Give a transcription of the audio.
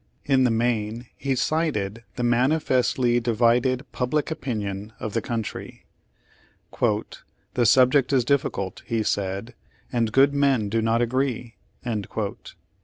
In the main he cited the manifestly divided public opinion of the country. "The subject is difficult," he said, "and good men do not agree."